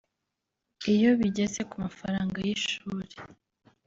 Iyo bigeze ku mafaranga y’ishuri